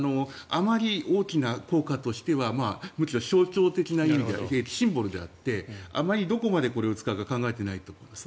あまり大きな効果としてはむしろ象徴的なシンボルであってあまりどこまでこれを使うか考えていないと思います。